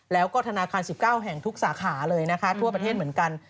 แล้วก็ธนาคาร๑๙แห่งทุกสาขาเลยนะคะทั่วประเทศเหมือนกัน